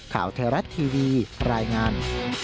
ข่าวเทราะต์ทีวีรายงาน